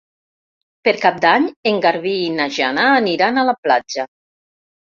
Per Cap d'Any en Garbí i na Jana aniran a la platja.